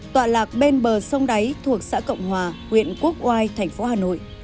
tọa lạc bên bờ sông đáy thuộc xã cộng hòa huyện quốc oai thành phố hà nội